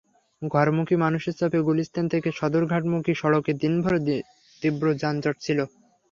ঘরমুখী মানুষের চাপে গুলিস্তান থেকে সদরঘাটমুখী সড়কে দিনভর তীব্র যানজট ছিল।